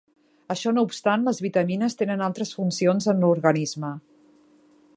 Això no obstant, les vitamines tenen altres funcions en l'organisme.